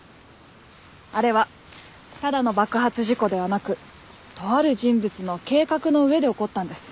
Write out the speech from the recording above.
あれはただの爆発事故ではなくとある人物の計画の上で起こったんです。